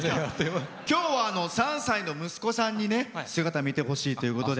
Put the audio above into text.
今日は、３歳の息子さんに姿を見せたいということで。